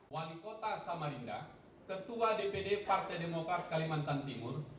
wali kota samarinda ketua dpd partai demokrat kalimantan timur